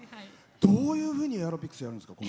どういうふうにエアロビクスやるんですか？